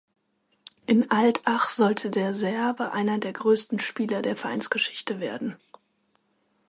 In Altach sollte der Serbe einer der größten Spieler der Vereinsgeschichte werden.